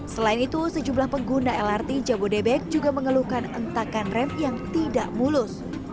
selain itu sejumlah pengguna lrt jabodebek juga mengeluhkan entakan rem yang tidak mulus